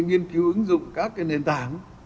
nhiên cứu ứng dụng các nền tảng